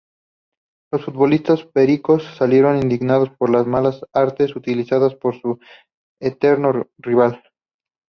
Los futbolistas "pericos" salieron indignados por las 'malas artes' utilizadas por su eterno rival.